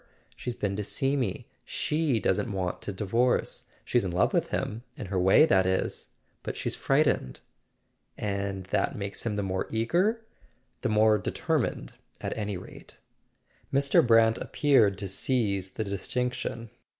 She's been to see me. She doesn't want to divorce. She's in love with him; in her way, that is; but she's frightened." "And that makes him the more eager?" "The more determined, at any rate." Mr. Brant appeared to seize the distinction.